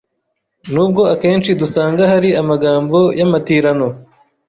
Nubwo akenshi dusanga hari amagambo y’amatirano